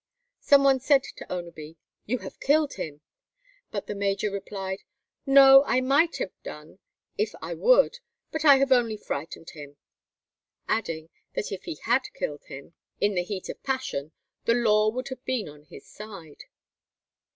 Some one said to Oneby, "You have killed him;" but the major replied, "No, I might have done it if I would, but I have only frightened him," adding, that if he had killed him in the heat of passion the law would have been on his side.